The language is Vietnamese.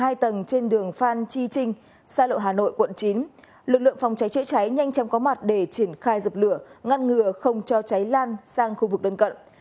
lực lượng phòng cháy chữa cháy nhanh chăm có mặt để triển khai dập lửa ngăn ngừa không cho cháy lan sang khu vực đơn cận